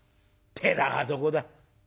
「寺はどこだ？」。